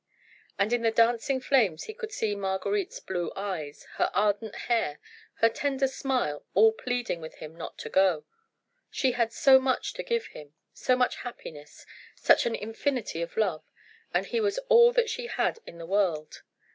And in the dancing flames he could see Marguerite's blue eyes, her ardent hair, her tender smile all pleading with him not to go. She had so much to give him so much happiness, such an infinity of love, and he was all that she had in the world!